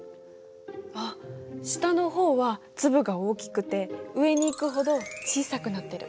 あっ下の方は粒が大きくて上に行くほど小さくなってる。